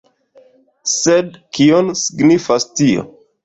Sed kion signifos tio?